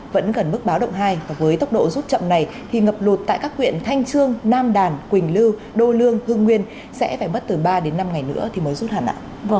vẫn gần mức báo động hai và với tốc độ rút chậm này thì ngập lụt tại các huyện thanh trương nam đàn quỳnh lưu đô lương hương nguyên sẽ phải mất từ ba đến năm ngày nữa thì mới rút hẳn ạ